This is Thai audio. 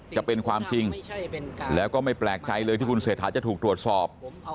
จะเป็นความจริงแล้วก็ไม่แปลกใจเลยที่คุณเศรษฐาจะถูกตรวจสอบ